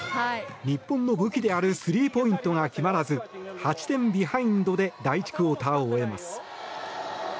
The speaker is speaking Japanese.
日本の武器であるスリーポイントが決まらず８点ビハインドで第１クオーターを終えます。